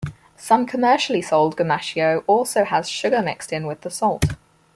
Some commercially sold gomashio also has sugar mixed in with the salt.